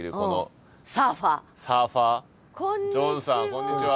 こんにちは。